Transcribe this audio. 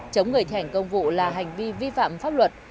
chống người thi hành công vụ là hành vi vi phạm pháp luật